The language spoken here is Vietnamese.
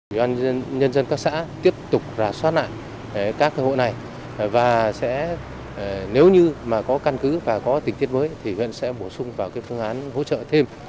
ủy ban nhân dân các xã tiếp tục rà soát lại các hộ này và sẽ nếu như mà có căn cứ và có tình tiết mới thì huyện sẽ bổ sung vào phương án hỗ trợ thêm